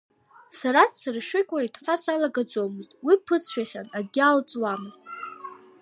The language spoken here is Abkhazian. Сара дсыршәыкьуеит ҳәа салагаӡомызт, уи ԥысшәахьан, акгьы алҵуамызт.